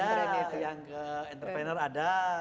ada yang ke entrepreneur ada